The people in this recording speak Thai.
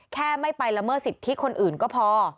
แค่ไม่ไปละเมิดสิทธิคนอื่นก็พอ